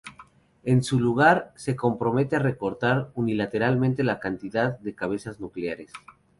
En su lugar se comprometieron a recortar unilateralmente la cantidad de cabezas nucleares.